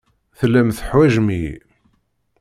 Tellam teḥwajem-iyi.